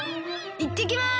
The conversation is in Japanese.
いってきます！